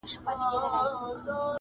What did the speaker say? ګنهكاره سوه سورنا، ږغ د ډولونو٫